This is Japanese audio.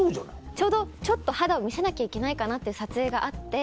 ちょうどちょっと肌を見せなきゃいけないかな？って撮影があって。